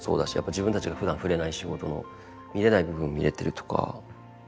自分たちがふだん触れない仕事の見れない部分見れてるとか。